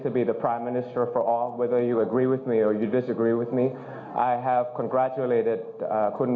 ต่อไปก็ถึง๕เอียดพรรษชาติไทยซ่างไทยเสรีรื่องไทยอยู่แล้วกัน